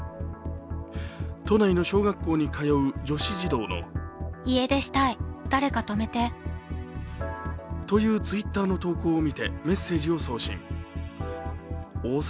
都内の小学校に通う女子児童のというＴｗｉｔｔｅｒの投稿を見てメッセージを送信。